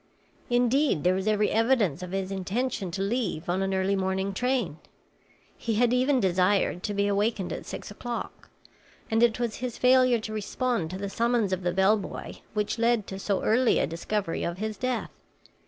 Indeed, there was every evidence of his intention to leave on an early morning train. He had even desired to be awakened at six o'clock; and it was his failure to respond to the summons of the bell boy, which led to so early a discovery of his death.